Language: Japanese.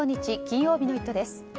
金曜日の「イット！」です。